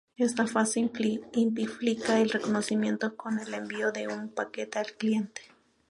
Esta fase implica el reconocimiento con el envío de un paquete al cliente.